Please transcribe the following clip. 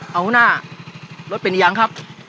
เอาหน้ารถเป็นอย่างครับ